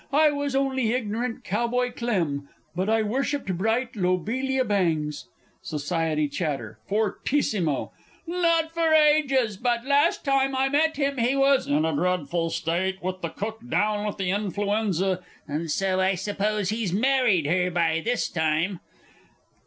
I was only ignorant Cowboy Clem but I worshipped bright Lobelia Bangs! SOC. CHAT. (fortissimo). Not for ages; but last time I met him he was ... in a dreadful state, with the cook down with influenza ... and so I suppose he's married her by this time!